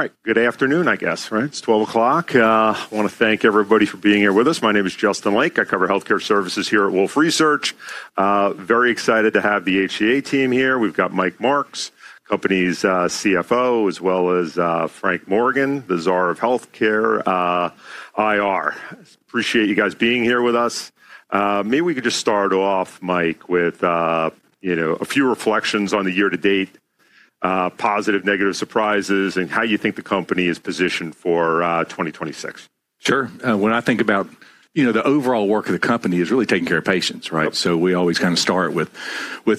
All right, good afternoon, I guess, right? It's 12:00. I want to thank everybody for being here with us. My name is Justin Lake. I cover healthcare services here at Wolfe Research. Very excited to have the HCA team here. We've got Mike Marks, company's CFO, as well as Frank Morgan, the Czar of Healthcare IR. Appreciate you guys being here with us. Maybe we could just start off, Mike, with a few reflections on the year to date, positive, negative surprises, and how you think the company is positioned for 2026. Sure. When I think about the overall work of the company, it is really taking care of patients, right? We always kind of start with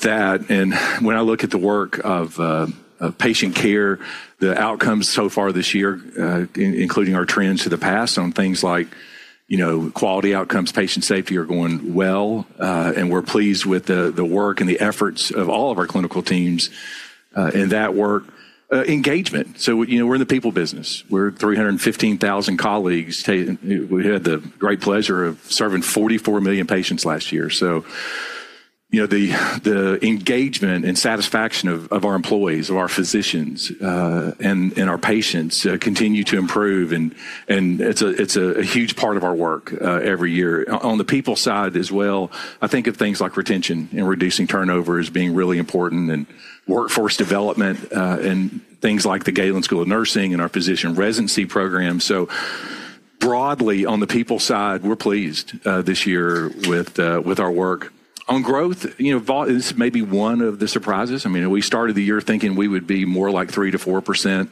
that. When I look at the work of patient care, the outcomes so far this year, including our trends to the past on things like quality outcomes and patient safety, are going well. We are pleased with the work and the efforts of all of our clinical teams in that work. Engagement. We are in the people business. We are 315,000 colleagues. We had the great pleasure of serving 44 million patients last year. The engagement and satisfaction of our employees, our physicians, and our patients continue to improve. It is a huge part of our work every year. On the people side as well, I think of things like retention and reducing turnover as being really important, and workforce development, and things like the Galen School of Nursing and our physician residency program. So broadly, on the people side, we're pleased this year with our work. On growth, this may be one of the surprises. I mean, we started the year thinking we would be more like 3-4%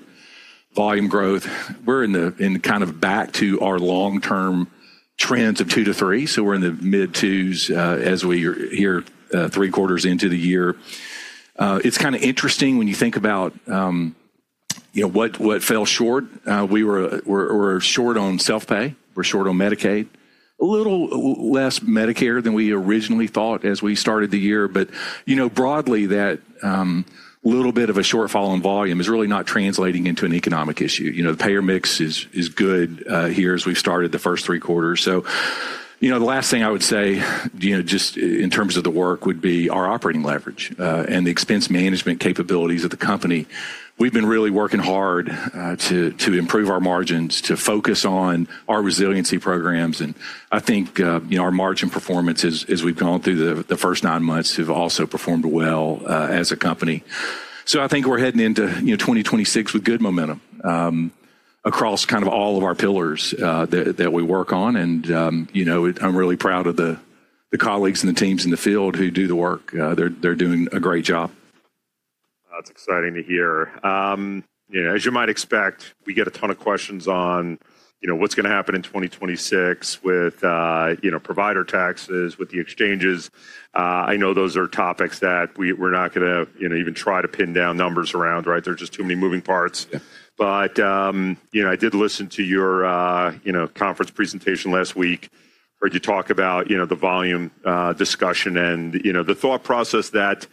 volume growth. We're in kind of back to our long-term trends of 2-3%. So we're in the mid-twos as we're here three quarters into the year. It's kind of interesting when you think about what fell short. We were short on self-pay. We're short on Medicaid. A little less Medicare than we originally thought as we started the year. Broadly, that little bit of a shortfall in volume is really not translating into an economic issue. The payer mix is good here as we started the first three quarters. The last thing I would say just in terms of the work would be our operating leverage and the expense management capabilities of the company. We've been really working hard to improve our margins, to focus on our resiliency programs. I think our margin performance as we've gone through the first nine months has also performed well as a company. I think we're heading into 2026 with good momentum across kind of all of our pillars that we work on. I'm really proud of the colleagues and the teams in the field who do the work. They're doing a great job. That's exciting to hear. As you might expect, we get a ton of questions on what's going to happen in 2026 with provider taxes, with the exchanges. I know those are topics that we're not going to even try to pin down numbers around, right? There's just too many moving parts. I did listen to your conference presentation last week. Heard you talk about the volume discussion and the thought process that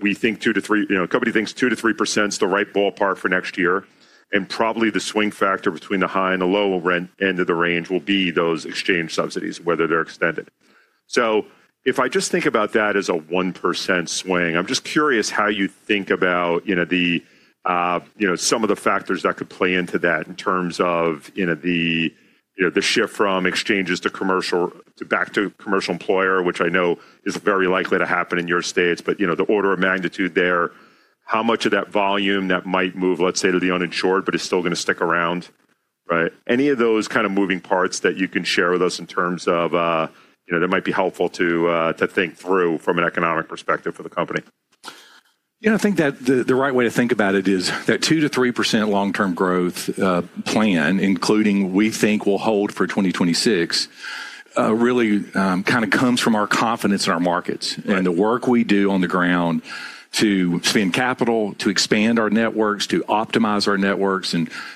we think 2-3%, a company thinks 2-3% is the right ballpark for next year. Probably the swing factor between the high and the low end of the range will be those exchange subsidies, whether they're extended. If I just think about that as a 1% swing, I'm just curious how you think about some of the factors that could play into that in terms of the shift from exchanges to commercial to back to commercial employer, which I know is very likely to happen in your states. The order of magnitude there, how much of that volume that might move, let's say, to the uninsured, but it's still going to stick around, right? Any of those kind of moving parts that you can share with us in terms of that might be helpful to think through from an economic perspective for the company? Yeah, I think that the right way to think about it is that 2-3% long-term growth plan, including we think will hold for 2026, really kind of comes from our confidence in our markets and the work we do on the ground to spend capital, to expand our networks, to optimize our networks.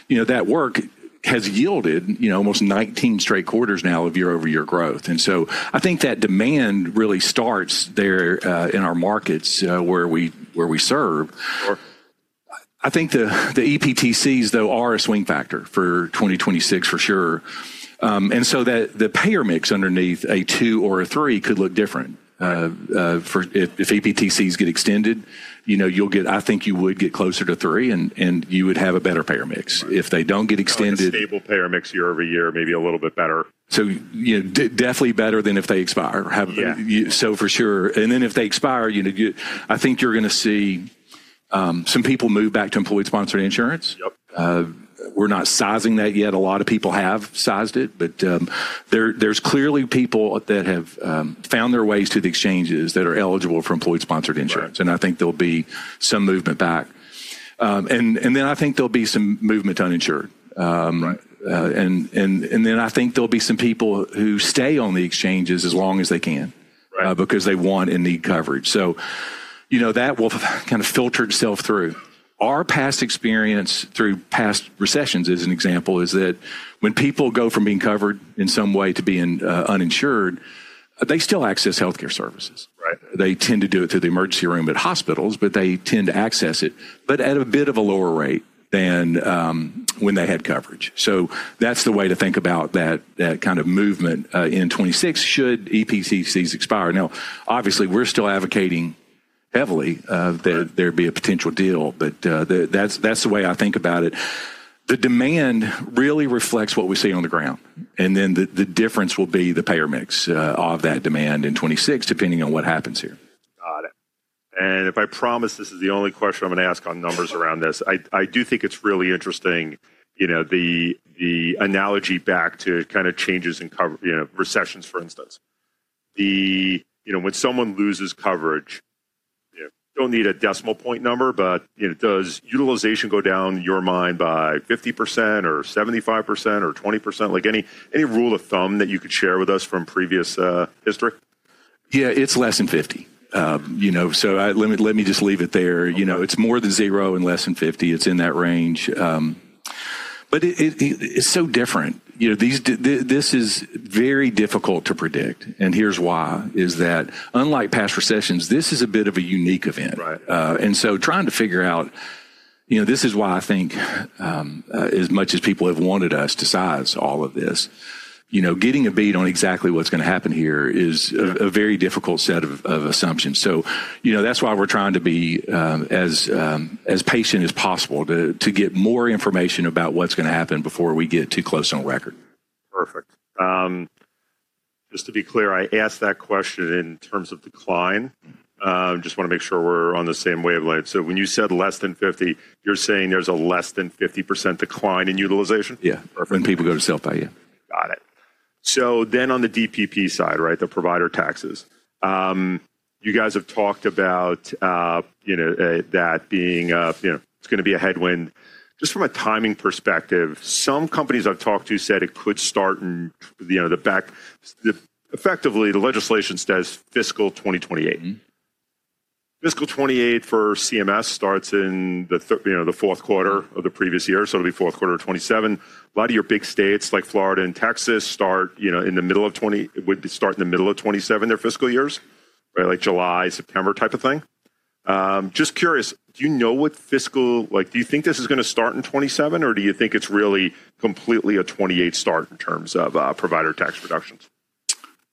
That work has yielded almost 19 straight quarters now of year-over-year growth. I think that demand really starts there in our markets where we serve. I think the EPTCs, though, are a swing factor for 2026, for sure. The payer mix underneath a 2 or a 3 could look different. If EPTCs get extended, you'll get, I think you would get closer to 3, and you would have a better payer mix. If they don't get extended. A stable payer mix year-over-year, maybe a little bit better. Definitely better than if they expire, for sure. If they expire, I think you're going to see some people move back to employee-sponsored insurance. We're not sizing that yet. A lot of people have sized it, but there's clearly people that have found their ways to the exchanges that are eligible for employee-sponsored insurance. I think there'll be some movement back. I think there'll be some movement to uninsured. I think there'll be some people who stay on the exchanges as long as they can because they want and need coverage. That will kind of filter itself through. Our past experience through past recessions, as an example, is that when people go from being covered in some way to being uninsured, they still access healthcare services. They tend to do it through the emergency room at hospitals, but they tend to access it, but at a bit of a lower rate than when they had coverage. That is the way to think about that kind of movement in 2026 should EPTCs expire. Now, obviously, we're still advocating heavily that there be a potential deal, but that is the way I think about it. The demand really reflects what we see on the ground. The difference will be the payer mix of that demand in 2026, depending on what happens here. Got it. If I promise this is the only question I'm going to ask on numbers around this, I do think it's really interesting the analogy back to kind of changes in recessions, for instance. When someone loses coverage, do not need a decimal point number, but does utilization go down in your mind by 50% or 75% or 20%? Any rule of thumb that you could share with us from previous history? Yeah, it's less than 50. Let me just leave it there. It's more than zero and less than 50. It's in that range. It's so different. This is very difficult to predict. Here's why: unlike past recessions, this is a bit of a unique event. Trying to figure out, this is why I think as much as people have wanted us to size all of this, getting a beat on exactly what's going to happen here is a very difficult set of assumptions. That's why we're trying to be as patient as possible to get more information about what's going to happen before we get too close on record. Perfect. Just to be clear, I asked that question in terms of decline. Just want to make sure we're on the same wavelength. So when you said less than 50, you're saying there's a less than 50% decline in utilization? Yeah. When people go to self-pay, yeah. Got it. So then on the DPP side, right, the provider taxes, you guys have talked about that being it's going to be a headwind. Just from a timing perspective, some companies I've talked to said it could start in the back. Effectively, the legislation says fiscal 2028. Fiscal 2028 for CMS starts in the fourth quarter of the previous year. So it'll be fourth quarter of 2027. A lot of your big states like Florida and Texas start in the middle of 2027, would start in the middle of 2027, their fiscal years, like July, September type of thing. Just curious, do you know what fiscal do you think this is going to start in 2027, or do you think it's really completely a 2028 start in terms of provider tax reductions?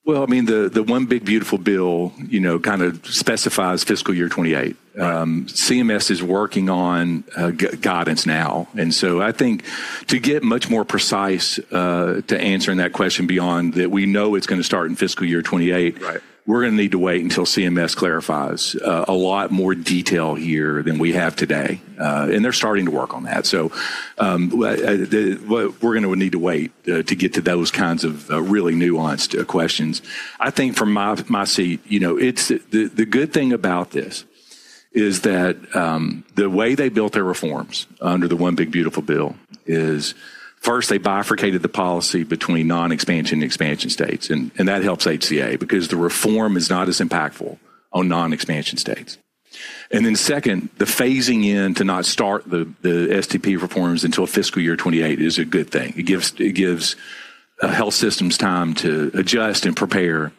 I mean, the one big beautiful bill kind of specifies fiscal year 2028. CMS is working on guidance now. I think to get much more precise to answering that question beyond that we know it's going to start in fiscal year 2028, we're going to need to wait until CMS clarifies a lot more detail here than we have today. They're starting to work on that. We're going to need to wait to get to those kinds of really nuanced questions. I think from my seat, the good thing about this is that the way they built their reforms under the one big beautiful bill is first, they bifurcated the policy between non-expansion and expansion states. That helps HCA because the reform is not as impactful on non-expansion states. The phasing in to not start the STP reforms until fiscal year 2028 is a good thing. It gives health systems time to adjust and prepare.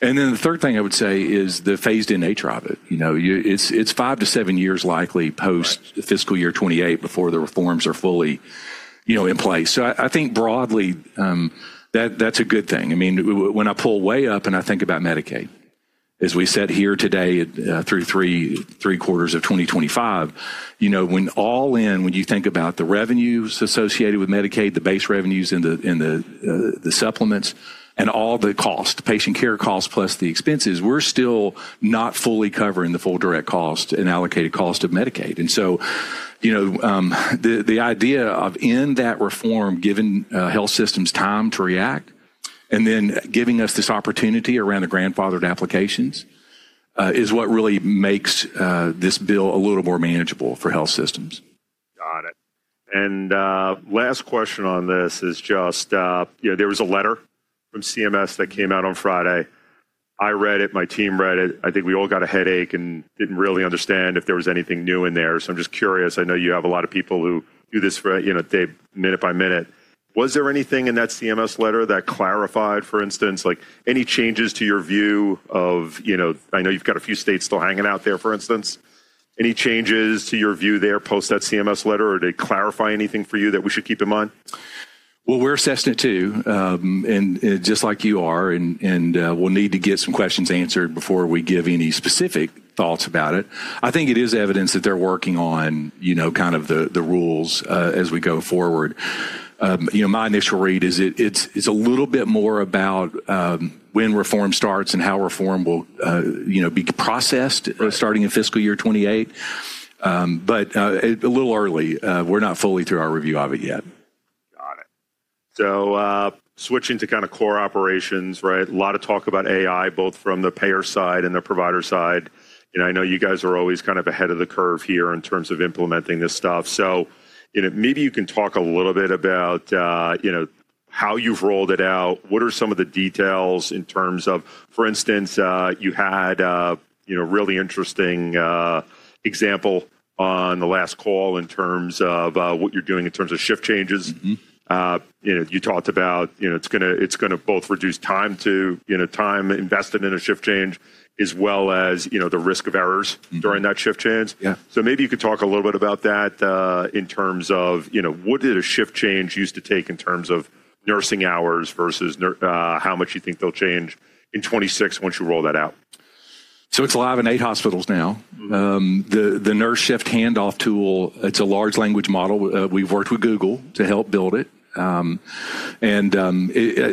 The third thing I would say is the phased-in nature of it. It is five to seven years likely post fiscal year 2028 before the reforms are fully in place. I think broadly, that is a good thing. I mean, when I pull way up and I think about Medicaid, as we said here today through three quarters of 2025, when all in, when you think about the revenues associated with Medicaid, the base revenues and the supplements, and all the costs, the patient care costs plus the expenses, we are still not fully covering the full direct cost and allocated cost of Medicaid. The idea of in that reform, giving health systems time to react, and then giving us this opportunity around the grandfathered applications is what really makes this bill a little more manageable for health systems. Got it. Last question on this is just there was a letter from CMS that came out on Friday. I read it. My team read it. I think we all got a headache and did not really understand if there was anything new in there. I am just curious. I know you have a lot of people who do this day minute by minute. Was there anything in that CMS letter that clarified, for instance, any changes to your view of, I know you have a few states still hanging out there, for instance. Any changes to your view there post that CMS letter, or did it clarify anything for you that we should keep in mind? We're assessed at two, just like you are. We'll need to get some questions answered before we give any specific thoughts about it. I think it is evidence that they're working on kind of the rules as we go forward. My initial read is it's a little bit more about when reform starts and how reform will be processed starting in fiscal year 2028. A little early. We're not fully through our review of it yet. Got it. Switching to kind of core operations, right? A lot of talk about AI, both from the payer side and the provider side. I know you guys are always kind of ahead of the curve here in terms of implementing this stuff. Maybe you can talk a little bit about how you've rolled it out. What are some of the details in terms of, for instance, you had a really interesting example on the last call in terms of what you're doing in terms of shift changes. You talked about it's going to both reduce time invested in a shift change, as well as the risk of errors during that shift change. Maybe you could talk a little bit about that in terms of what did a shift change used to take in terms of nursing hours versus how much you think they'll change in 2026 once you roll that out? It is live in eight hospitals now. The nurse shift handoff tool, it is a large language model. We have worked with Google to help build it.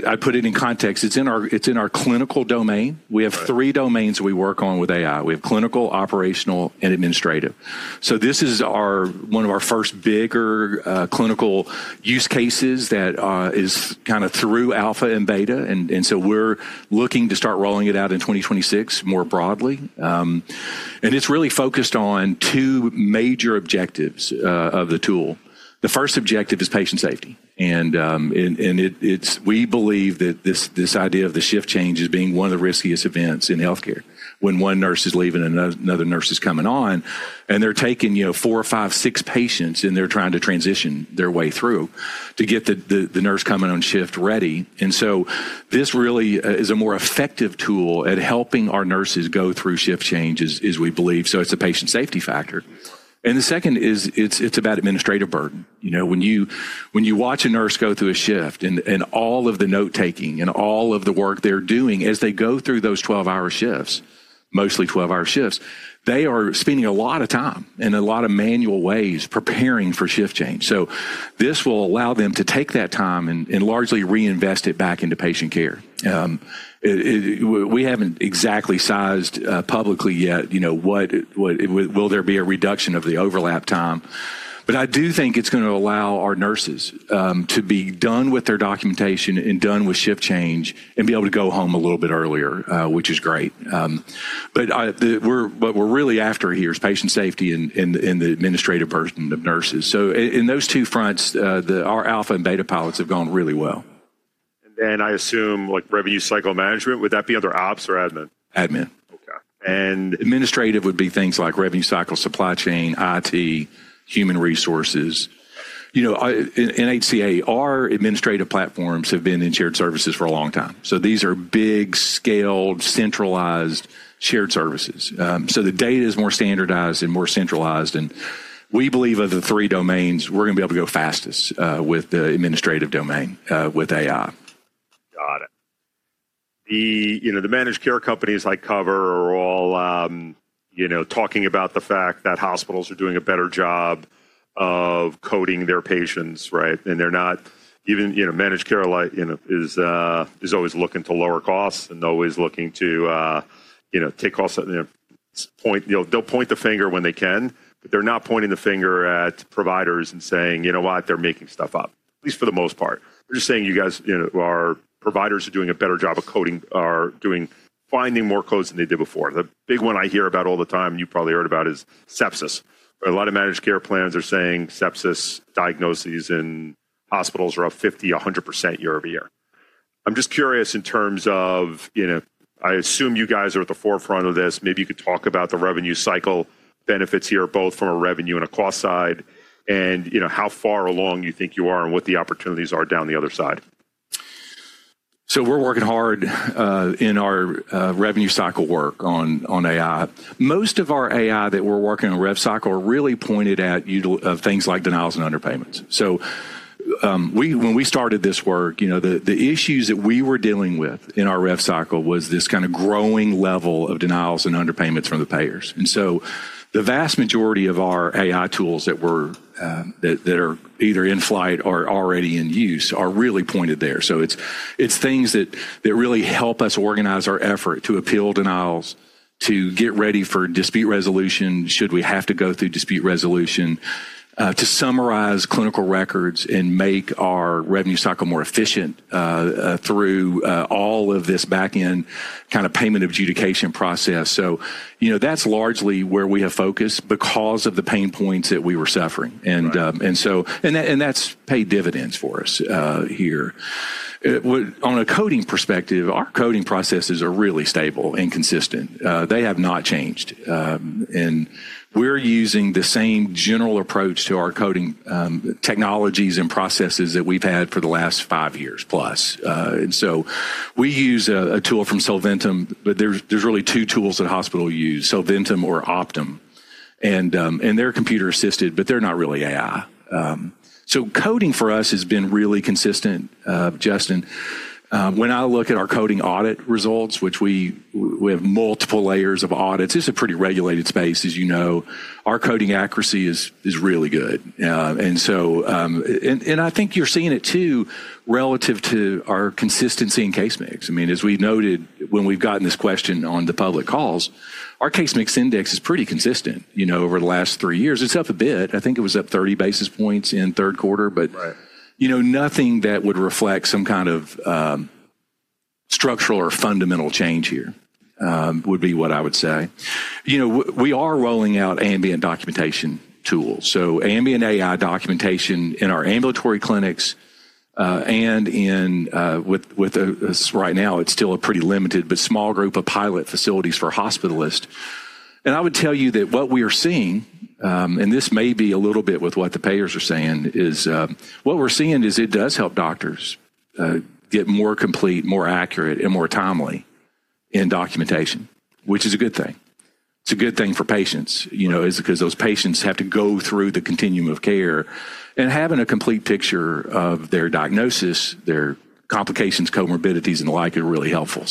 I put it in context. It is in our clinical domain. We have three domains we work on with AI. We have clinical, operational, and administrative. This is one of our first bigger clinical use cases that is kind of through alpha and beta. We are looking to start rolling it out in 2026 more broadly. It is really focused on two major objectives of the tool. The first objective is patient safety. We believe that this idea of the shift change is one of the riskiest events in healthcare when one nurse is leaving and another nurse is coming on. They're taking four, five, six patients, and they're trying to transition their way through to get the nurse coming on shift ready. This really is a more effective tool at helping our nurses go through shift changes, as we believe. It is a patient safety factor. The second is it's about administrative burden. When you watch a nurse go through a shift and all of the note-taking and all of the work they're doing as they go through those 12-hour shifts, mostly 12-hour shifts, they are spending a lot of time and a lot of manual ways preparing for shift change. This will allow them to take that time and largely reinvest it back into patient care. We haven't exactly sized publicly yet what will there be a reduction of the overlap time. I do think it's going to allow our nurses to be done with their documentation and done with shift change and be able to go home a little bit earlier, which is great. What we're really after here is patient safety and the administrative burden of nurses. In those two fronts, our alpha and beta pilots have gone really well. I assume revenue cycle management. Would that be under ops or admin? Admin. Okay. Administrative would be things like revenue cycle, supply chain, IT, human resources. In HCA, our administrative platforms have been in shared services for a long time. These are big, scaled, centralized shared services. The data is more standardized and more centralized. We believe of the three domains, we are going to be able to go fastest with the administrative domain with AI. Got it. The managed care companies I cover are all talking about the fact that hospitals are doing a better job of coding their patients, right? And they're not even—managed care is always looking to lower costs and always looking to take off. They'll point the finger when they can, but they're not pointing the finger at providers and saying, you know what, they're making stuff up, at least for the most part. They're just saying you guys, our providers are doing a better job of coding, finding more codes than they did before. The big one I hear about all the time, you probably heard about, is sepsis. A lot of managed care plans are saying sepsis diagnoses in hospitals are up 50-100% year-over-year. I'm just curious in terms of—I assume you guys are at the forefront of this. Maybe you could talk about the revenue cycle benefits here, both from a revenue and a cost side, and how far along you think you are and what the opportunities are down the other side. We're working hard in our revenue cycle work on AI. Most of our AI that we're working on in rev cycle are really pointed at things like denials and underpayments. When we started this work, the issues that we were dealing with in our rev cycle was this kind of growing level of denials and underpayments from the payers. The vast majority of our AI tools that are either in flight or already in use are really pointed there. It's things that really help us organize our effort to appeal denials, to get ready for dispute resolution should we have to go through dispute resolution, to summarize clinical records and make our revenue cycle more efficient through all of this back-end kind of payment adjudication process. That's largely where we have focused because of the pain points that we were suffering. That has paid dividends for us here. On a coding perspective, our coding processes are really stable and consistent. They have not changed. We are using the same general approach to our coding technologies and processes that we have had for the last five years plus. We use a tool from Solventum, but there are really two tools that hospitals use, Solventum or Optum. They are computer assisted, but they are not really AI. Coding for us has been really consistent, Justin. When I look at our coding audit results, which have multiple layers of audits, this is a pretty regulated space, as you know. Our coding accuracy is really good. I think you are seeing it too relative to our consistency in case mix. I mean, as we've noted, when we've gotten this question on the public calls, our case mix index is pretty consistent over the last three years. It's up a bit. I think it was up 30 basis points in third quarter, but nothing that would reflect some kind of structural or fundamental change here would be what I would say. We are rolling out ambient documentation tools. So ambient AI documentation in our ambulatory clinics and with right now, it's still a pretty limited, but small group of pilot facilities for hospitalists. I would tell you that what we are seeing, and this may be a little bit with what the payers are saying, is what we're seeing is it does help doctors get more complete, more accurate, and more timely in documentation, which is a good thing. It's a good thing for patients because those patients have to go through the continuum of care. Having a complete picture of their diagnosis, their complications, comorbidities, and the like are really helpful.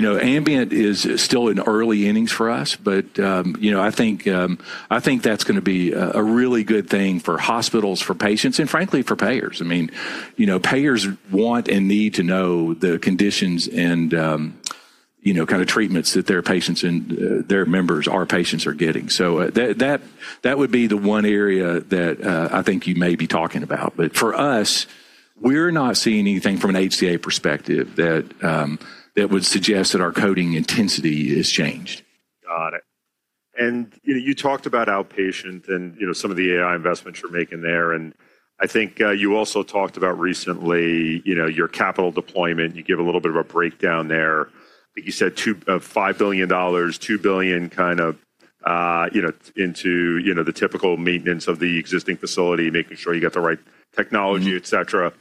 Ambient is still in early innings for us, but I think that's going to be a really good thing for hospitals, for patients, and frankly, for payers. I mean, payers want and need to know the conditions and kind of treatments that their members or patients are getting. That would be the one area that I think you may be talking about. For us, we're not seeing anything from an HCA perspective that would suggest that our coding intensity has changed. Got it. You talked about outpatient and some of the AI investments you're making there. I think you also talked about recently your capital deployment. You gave a little bit of a breakdown there. You said $5 billion, $2 billion kind of into the typical maintenance of the existing facility, making sure you got the right technology, et cetera.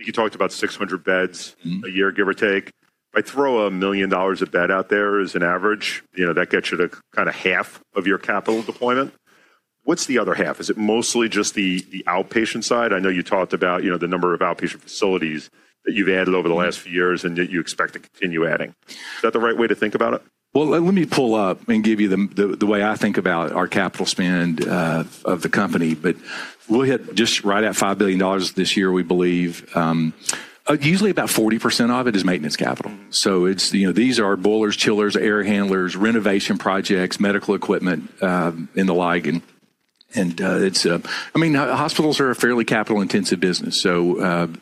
You talked about 600 beds a year, give or take. If I throw $1 million a bed out there as an average, that gets you to kind of half of your capital deployment. What's the other half? Is it mostly just the outpatient side? I know you talked about the number of outpatient facilities that you've added over the last few years and that you expect to continue adding. Is that the right way to think about it? Let me pull up and give you the way I think about our capital spend of the company. We'll hit just right at $5 billion this year, we believe. Usually, about 40% of it is maintenance capital. These are boilers, chillers, air handlers, renovation projects, medical equipment, and the like. I mean, hospitals are a fairly capital-intensive business.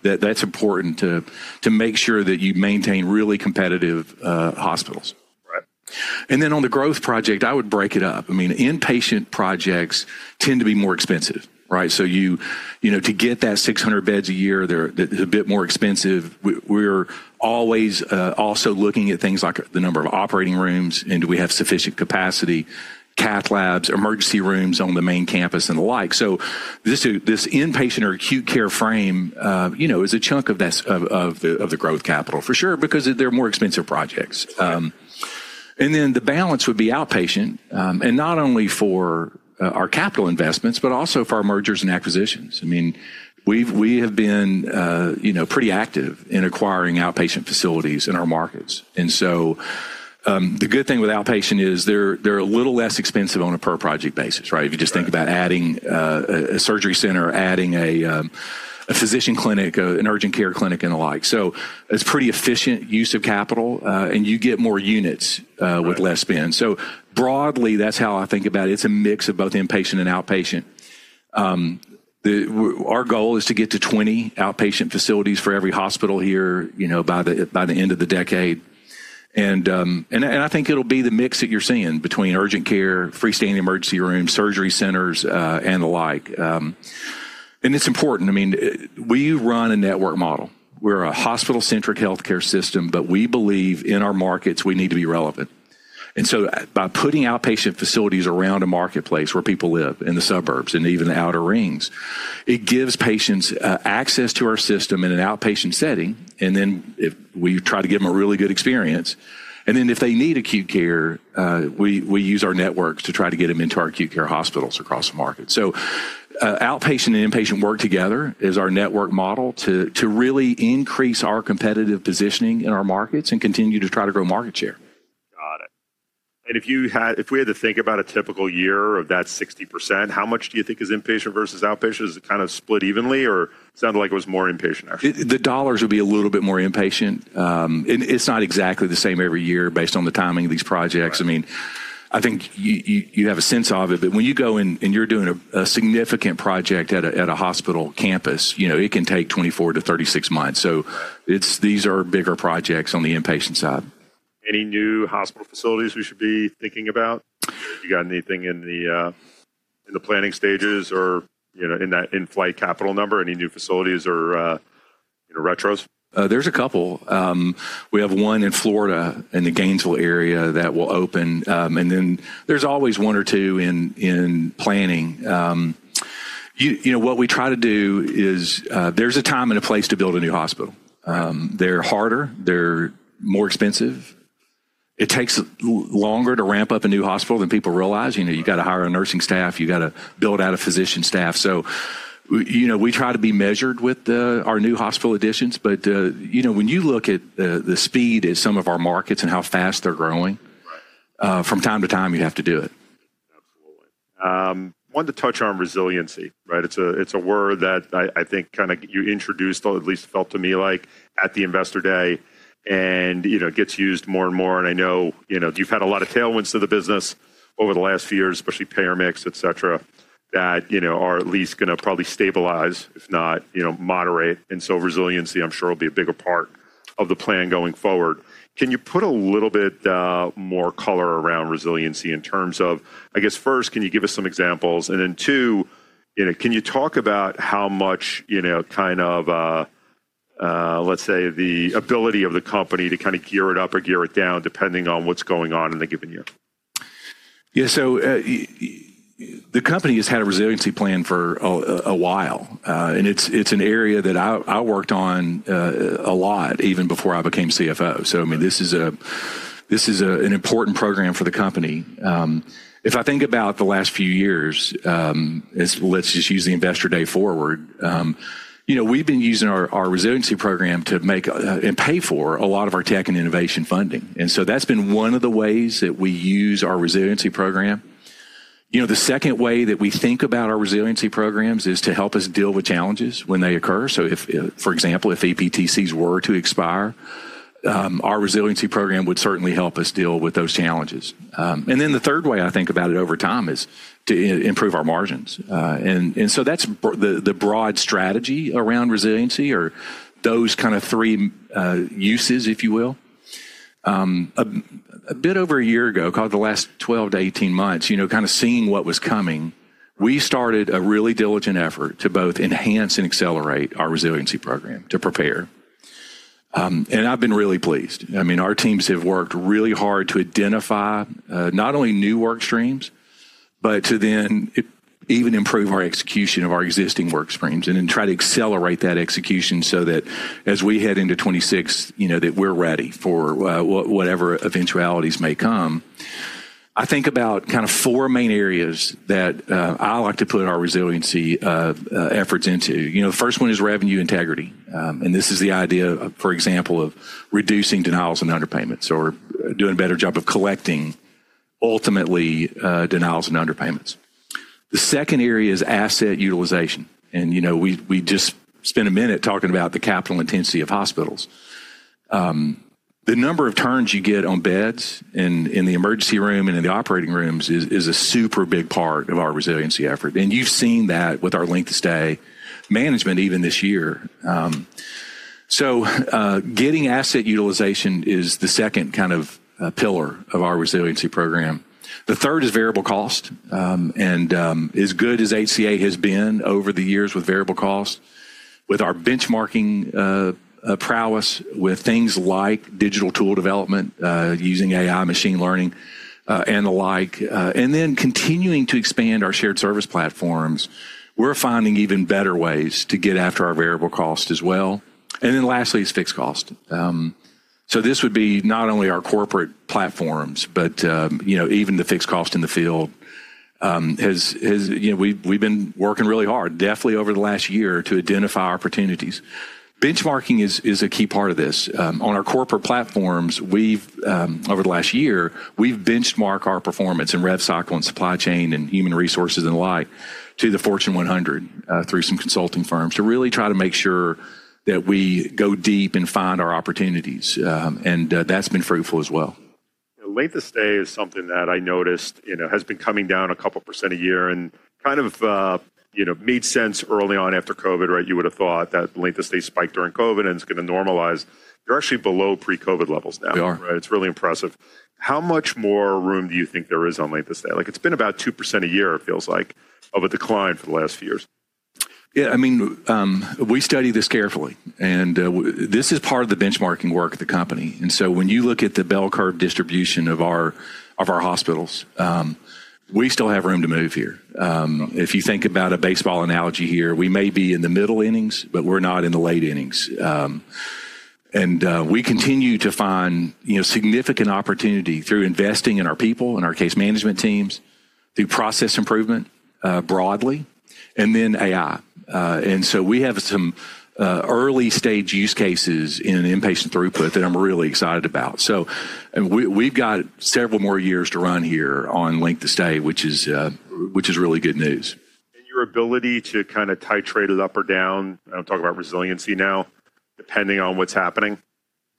That's important to make sure that you maintain really competitive hospitals. On the growth project, I would break it up. Inpatient projects tend to be more expensive. To get that 600 beds a year, that's a bit more expensive. We're always also looking at things like the number of operating rooms, and do we have sufficient capacity, cath labs, emergency rooms on the main campus, and the like. This inpatient or acute care frame is a chunk of the growth capital, for sure, because they're more expensive projects. The balance would be outpatient, and not only for our capital investments, but also for our mergers and acquisitions. I mean, we have been pretty active in acquiring outpatient facilities in our markets. The good thing with outpatient is they're a little less expensive on a per-project basis, right? If you just think about adding a surgery center, adding a physician clinic, an urgent care clinic, and the like. It's pretty efficient use of capital, and you get more units with less spend. Broadly, that's how I think about it. It's a mix of both inpatient and outpatient. Our goal is to get to 20 outpatient facilities for every hospital here by the end of the decade. I think it'll be the mix that you're seeing between urgent care, freestanding emergency rooms, surgery centers, and the like. It is important. I mean, we run a network model. We're a hospital-centric healthcare system, but we believe in our markets, we need to be relevant. By putting outpatient facilities around a marketplace where people live in the suburbs and even the outer rings, it gives patients access to our system in an outpatient setting. We try to give them a really good experience. If they need acute care, we use our networks to try to get them into our acute care hospitals across the market. Outpatient and inpatient work together as our network model to really increase our competitive positioning in our markets and continue to try to grow market share. Got it. If we had to think about a typical year of that 60%, how much do you think is inpatient versus outpatient? Is it kind of split evenly or sounded like it was more inpatient, actually? The dollars would be a little bit more inpatient. It's not exactly the same every year based on the timing of these projects. I mean, I think you have a sense of it. When you go and you're doing a significant project at a hospital campus, it can take 24-36 months. These are bigger projects on the inpatient side. Any new hospital facilities we should be thinking about? You got anything in the planning stages or in that in-flight capital number? Any new facilities or retros? There's a couple. We have one in Florida in the Gainesville area that will open. There is always one or two in planning. What we try to do is there is a time and a place to build a new hospital. They are harder. They are more expensive. It takes longer to ramp up a new hospital than people realize. You have to hire a nursing staff. You have to build out a physician staff. We try to be measured with our new hospital additions. When you look at the speed in some of our markets and how fast they are growing, from time to time, you have to do it. Absolutely. I wanted to touch on resiliency, right? It's a word that I think kind of you introduced, or at least felt to me like at the investor day, and it gets used more and more. I know you've had a lot of tailwinds to the business over the last few years, especially payer mix, et cetera, that are at least going to probably stabilize, if not moderate. Resiliency, I'm sure, will be a bigger part of the plan going forward. Can you put a little bit more color around resiliency in terms of, I guess, first, can you give us some examples? Then two, can you talk about how much kind of, let's say, the ability of the company to kind of gear it up or gear it down depending on what's going on in a given year? Yeah. The company has had a resiliency plan for a while. It is an area that I worked on a lot even before I became CFO. I mean, this is an important program for the company. If I think about the last few years, let's just use the investor day forward. We have been using our resiliency program to make and pay for a lot of our tech and innovation funding. That has been one of the ways that we use our resiliency program. The second way that we think about our resiliency programs is to help us deal with challenges when they occur. For example, if EPTCs were to expire, our resiliency program would certainly help us deal with those challenges. The third way I think about it over time is to improve our margins. That is the broad strategy around resiliency or those kind of three uses, if you will. A bit over a year ago, call it the last 12 to 18 months, kind of seeing what was coming, we started a really diligent effort to both enhance and accelerate our resiliency program to prepare. I have been really pleased. I mean, our teams have worked really hard to identify not only new work streams, but to then even improve our execution of our existing work streams and then try to accelerate that execution so that as we head into 2026, we are ready for whatever eventualities may come. I think about kind of four main areas that I like to put our resiliency efforts into. The first one is revenue integrity. This is the idea, for example, of reducing denials and underpayments or doing a better job of collecting ultimately denials and underpayments. The second area is asset utilization. We just spent a minute talking about the capital intensity of hospitals. The number of turns you get on beds in the emergency room and in the operating rooms is a super big part of our resiliency effort. You have seen that with our length of stay management even this year. Getting asset utilization is the second kind of pillar of our resiliency program. The third is variable cost. As good as HCA has been over the years with variable cost, with our benchmarking prowess, with things like digital tool development using AI, machine learning and the like, and then continuing to expand our shared service platforms, we're finding even better ways to get after our variable cost as well. Lastly is fixed cost. This would be not only our corporate platforms, but even the fixed cost in the field. We've been working really hard, definitely over the last year, to identify opportunities. Benchmarking is a key part of this. On our corporate platforms, over the last year, we've benchmarked our performance in rev cycle and supply chain and human resources and the like to the Fortune 100 through some consulting firms to really try to make sure that we go deep and find our opportunities. That's been fruitful as well. Length of stay is something that I noticed has been coming down a couple percent a year and kind of made sense early on after COVID, right? You would have thought that length of stay spiked during COVID and it's going to normalize. You're actually below pre-COVID levels now, right? It's really impressive. How much more room do you think there is on length of stay? It's been about 2% a year, it feels like, of a decline for the last few years. Yeah. I mean, we study this carefully. And this is part of the benchmarking work at the company. When you look at the bell curve distribution of our hospitals, we still have room to move here. If you think about a baseball analogy here, we may be in the middle innings, but we're not in the late innings. We continue to find significant opportunity through investing in our people, in our case management teams, through process improvement broadly, and then AI. We have some early stage use cases in inpatient throughput that I'm really excited about. We've got several more years to run here on length of stay, which is really good news. Your ability to kind of titrate it up or down, I'm talking about resiliency now, depending on what's happening.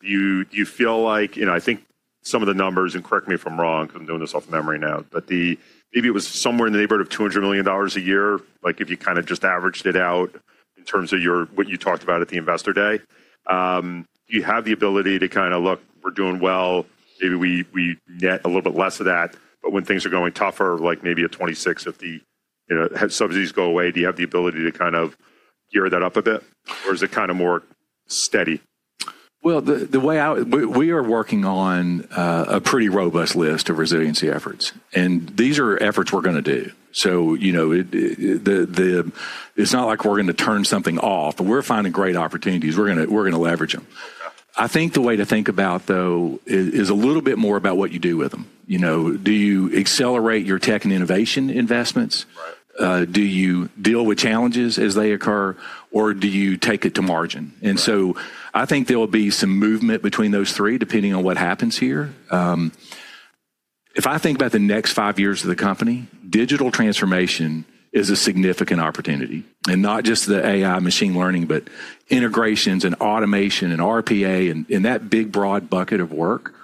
Do you feel like, I think some of the numbers, and correct me if I'm wrong because I'm doing this off memory now, but maybe it was somewhere in the neighborhood of $200 million a year, like if you kind of just averaged it out in terms of what you talked about at the investor day, do you have the ability to kind of, look, we're doing well, maybe we net a little bit less of that. But when things are going tougher, like maybe a 2026, if the subsidies go away, do you have the ability to kind of gear that up a bit? Or is it kind of more steady? We are working on a pretty robust list of resiliency efforts. These are efforts we are going to do. It is not like we are going to turn something off. We are finding great opportunities. We are going to leverage them. I think the way to think about though is a little bit more about what you do with them. Do you accelerate your tech and innovation investments? Do you deal with challenges as they occur? Or do you take it to margin? I think there will be some movement between those three depending on what happens here. If I think about the next five years of the company, digital transformation is a significant opportunity. Not just the AI machine learning, but integrations and automation and RPA and that big broad bucket of work,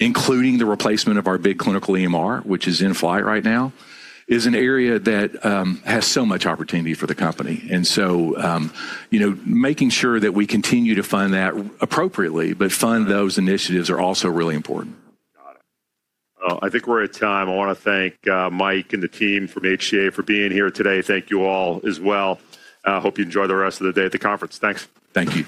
including the replacement of our big clinical EMR, which is in flight right now, is an area that has so much opportunity for the company. Making sure that we continue to fund that appropriately, but fund those initiatives, are also really important. Got it. I think we're at time. I want to thank Mike and the team from HCA for being here today. Thank you all as well. Hope you enjoy the rest of the day at the conference. Thanks. Thank you.